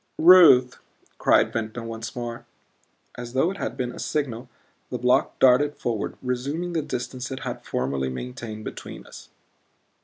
"Ruth," cried Ventnor once more. As though it had been a signal the block darted forward, resuming the distance it had formerly maintained between us.